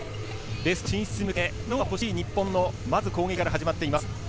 ベスト８進出に向けて２勝目が欲しい日本の攻撃から、まず始まっています。